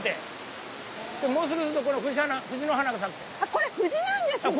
これ藤なんですね！